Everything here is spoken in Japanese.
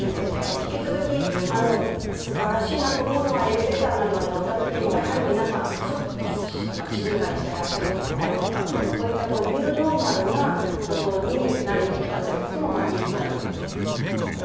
引き続きすばらしいなと思うのはエレベーターなどに乗ったときも、やはり皆さん、すっと静かにしていらっしゃったりとか、そういったニューノーマルなことに慣れてきたことも事実であるかもしれませんね。